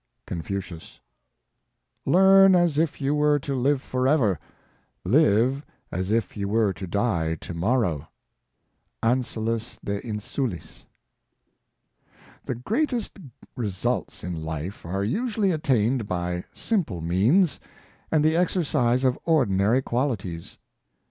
Confucius. " Learn as if you were to live forever ; live as if you were to die to morrow.'' Ansalus de Insulis. HE greatest results in life are usually attained by simple means, and the exercise of ordinary qualities.